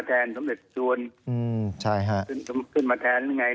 เอาสมเด็จอะไรขึ้นมาแทนกับสมเด็จ